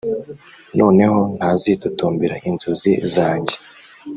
noneho ntazitotombera inzozi zanjye